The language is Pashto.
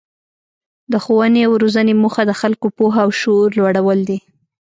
د ښوونې او روزنې موخه د خلکو پوهه او شعور لوړول دي.